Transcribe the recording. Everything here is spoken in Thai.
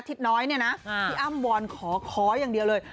น้อยเนี่ยนะพี่อ้ำวอนขออย่างเดียวเลย